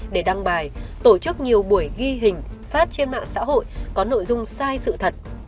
để đăng bài tổ chức nhiều buổi ghi hình phát trên mạng xã hội có nội dung sai sự thật